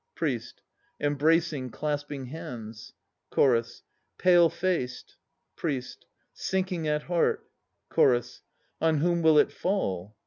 PRIEST. Embracing, clasping hands ... CHORUS. Pale faced PRIEST. Sinking at heart CHORUS. "On whom will it fall?"